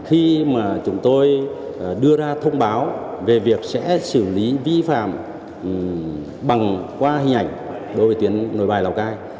khi mà chúng tôi đưa ra thông báo về việc sẽ xử lý vi phạm bằng qua hình ảnh đối với tuyến nội bài lào cai